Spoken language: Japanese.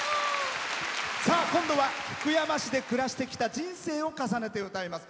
今度は福山市で暮らしてきた人生を重ねて歌います。